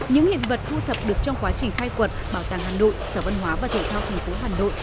những hiện vật thu thập được trong quá trình khai cuộc bảo tàng hà nội sở văn hóa và thể thao thành phố hà nội